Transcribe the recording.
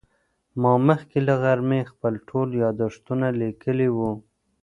ما مخکې له غرمې خپل ټول یادښتونه لیکلي وو.